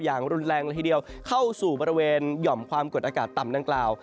อย่างรุนแรงละทีเดียวเข้าสู่บริเวณหย่อมความกดอากาศต่ำดังกล่าว